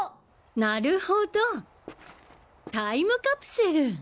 なるほどタイムカプセル！